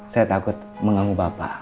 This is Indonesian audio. saya takut menganggup bapak